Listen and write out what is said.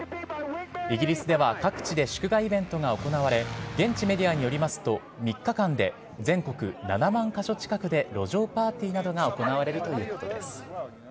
イギリスでは各地で祝賀イベントが行われ、現地メディアによりますと、３日間で全国７万か所近くで路上パーティーなどが行われるということです。